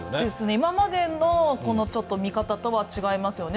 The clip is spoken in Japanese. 今までの見方とは違いますよね